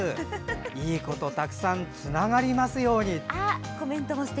いいこと、たくさんつながりますようにって。